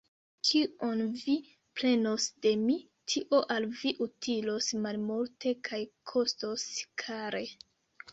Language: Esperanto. Kion vi prenos de mi, tio al vi utilos malmulte kaj kostos kare.